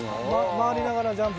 回りながらジャンプします。